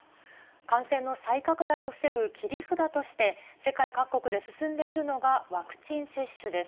感染の再拡大を防ぐ切り札として、世界各国で進んでいるのがワクチン接種です。